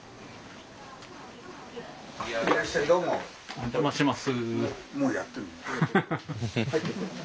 お邪魔します。